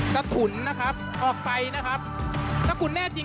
แล้วถุ๋นนะครับออกไปนะครับเดี๋ยวคุณแน่จริง